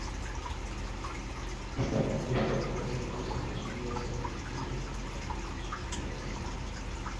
Está compuesto por cinco cimas unidas entre sí mediante una sutil arista.